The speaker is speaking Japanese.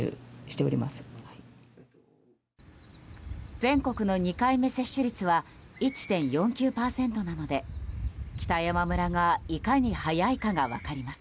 全国の２回目接種率は１．４９％なので北山村がいかに早いかが分かります。